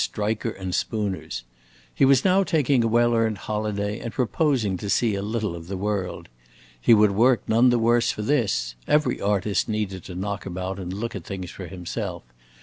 Striker & Spooner's. He was now taking a well earned holiday and proposing to see a little of the world. He would work none the worse for this; every artist needed to knock about and look at things for himself.